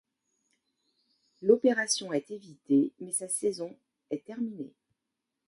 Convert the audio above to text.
L'opération est évitée, mais sa saison est terminée.